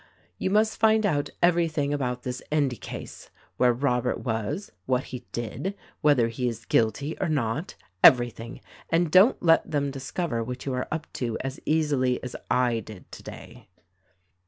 You must find out everything about this Endy case ; where Robert was ; what he did ; whether he is guilty or not, — everything, and don't let them discover what you are up to as easily as I did today."